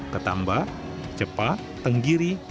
ketamba cepa tenggiri